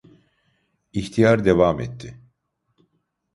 İhtiyar devam etti: